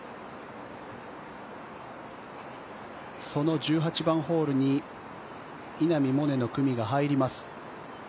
その１８番ホールに稲見萌寧の組が入ります。